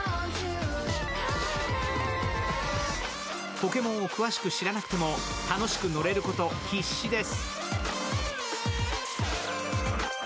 ポケモンを詳しく知らなくても楽しく乗れること必至です。